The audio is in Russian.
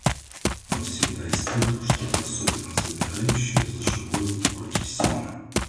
Он всегда испытывал что-то особенно забирающее за живое в уборке сена.